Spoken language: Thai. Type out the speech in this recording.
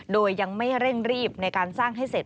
โดยยังไม่เร่งรีบในการสร้างให้เสร็จ